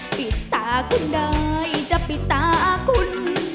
ปิดตาคุณได้จะปิดตาคุณ